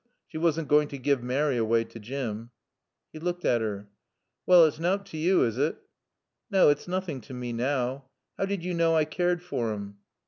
She wasn't going to give Mary away to Jim. He looked at her. "Wall, it's nowt t' yo, is it?" "No. It's nothing to me now. How did you know I cared for him?"